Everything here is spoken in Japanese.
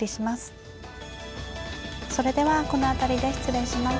それではこの辺りで失礼します。